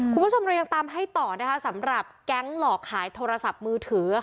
คุณผู้ชมเรายังตามให้ต่อนะคะสำหรับแก๊งหลอกขายโทรศัพท์มือถือ